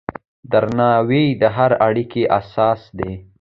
درناوی د هرې اړیکې اساس دی.